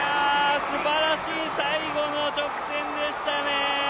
すばらしい最後の直線でしたね。